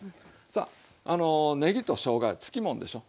さあねぎとしょうがはつきもんでしょ。